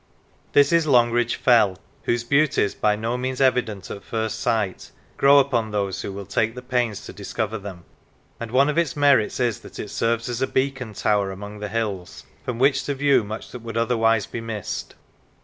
This is Longridge Fell, whose beauties, by no means evident at first sight, grow upon those who will take pains to discover them ; and one of its merits is that it serves as a beacon tower among the hills, from which to view much that would otherwise be missed.